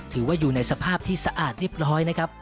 ถือว่าอยู่ในสภาพที่สะอาดเรียบร้อยนะครับ